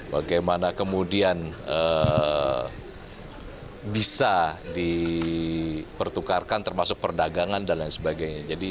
bagaimana kemudian bisa dipertukarkan termasuk perdagangan dan lain sebagainya